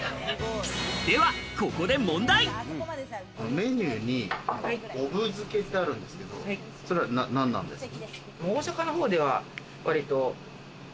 メニューにおぶ漬ってあるんですけど、それは何なんですか？